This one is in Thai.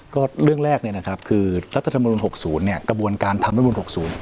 ก็เรื่องแรกเนี่ยนะครับคือรัฐธรรมนุน๖๐เนี่ยกระบวนการทำรัฐมนุน๖๐